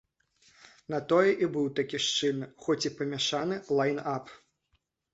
На тое і быў такі шчыльны, хоць і памяшаны, лайн-ап.